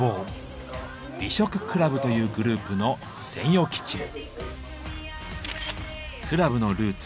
美食倶楽部というグループの専用キッチン。